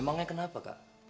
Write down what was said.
memangnya kenapa kak